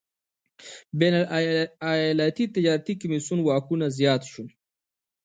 بین الایالتي تجارتي کمېسیون واکونه زیات شول.